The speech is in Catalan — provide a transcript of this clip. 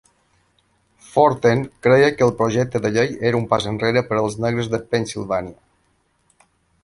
Forten creia que el projecte de llei era un pas enrere per als negres de Pennsilvània.